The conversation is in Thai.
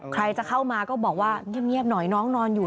ใครจะเข้ามาก็บอกว่าเงียบหน่อยน้องนอนอยู่